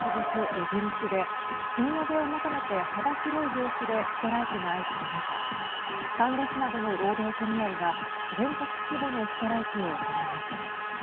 イギリスで賃上げを求めて幅広い業種でストライキが相次ぐ中看護師などの労働組合が全国規模のストライキを行いました。